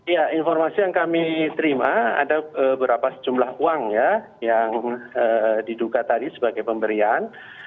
ya informasi yang kami terima ada beberapa jumlah uang ya yang diduga tadi sebagai pemberian